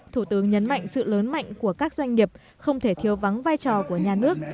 thủ tướng nhấn mạnh sự lớn mạnh của các doanh nghiệp không thể thiếu vắng vai trò của nhà nước